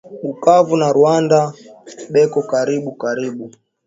Bukavu na rwanda beko karibu karibu